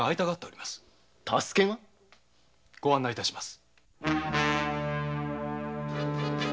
ご案内します。